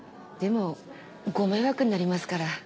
でもご迷惑になりますから。